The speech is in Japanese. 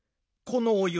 このお湯